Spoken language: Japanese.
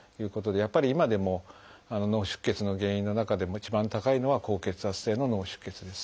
やっぱり今でも脳出血の原因の中でも一番高いのは高血圧性の脳出血です。